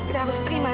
dia harus terima